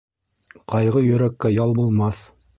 Ҡайғы йөрәккә ял булмаҫ.